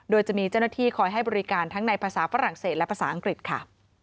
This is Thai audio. โดยจะมีเจ้าหน้าที่คอยให้บริการทั้งในภาษาฝรั่งเศสและภาษาอังกฤษค่ะ